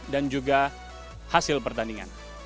dan juga hasil pertandingan